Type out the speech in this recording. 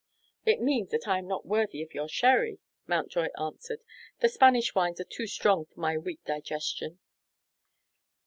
"It means that I am not worthy of your sherry," Mountjoy answered. "The Spanish wines are too strong for my weak digestion."